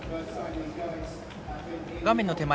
画面の手前